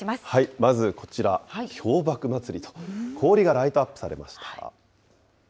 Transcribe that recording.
まずこちら、氷瀑まつりと、氷がライトアップされました。